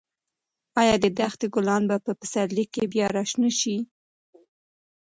ایا د دښتې ګلان به په پسرلي کې بیا راشنه شي؟